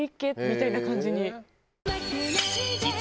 みたいな感じに。